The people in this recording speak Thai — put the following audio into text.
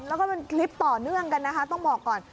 แล้วก็เป็นคลิปต่อเนื่องกันนะคะต้องบอกก่อน